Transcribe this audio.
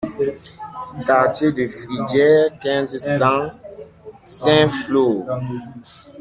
Quartier de Fridières, quinze, cent Saint-Flour